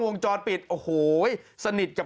ภาษาแรกที่สุดท้าย